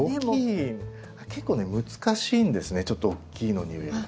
結構ね難しいんですねちょっと大きいのに植えると。